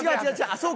そうか。